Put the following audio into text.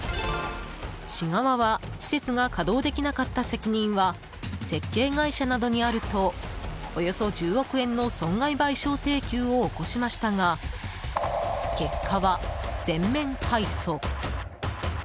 市側は、施設が稼働できなかった責任は設計会社などにあるとおよそ１０億円の損害賠償請求を起こしましたが、結果は全面敗訴。